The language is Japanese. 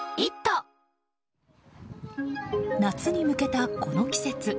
夏に向けたこの季節。